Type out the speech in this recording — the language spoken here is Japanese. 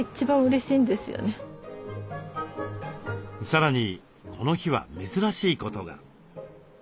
さらにこの日は珍しいことが。